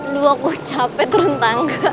lu aku capek turun tangga